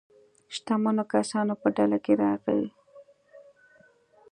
شتمنو کسانو په ډله کې راغی.